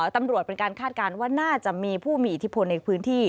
เป็นการคาดการณ์ว่าน่าจะมีผู้มีอิทธิพลในพื้นที่